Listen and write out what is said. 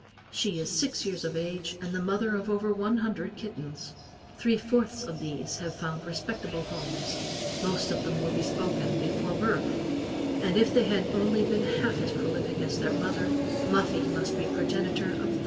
She is six years of age, and the mother of over one hundred kittens. Three fourths of these have found respectable homes, most of them were bespoken before birth, and if they have only been half as prolific as their mother, Muffie must be progenitor of thousands.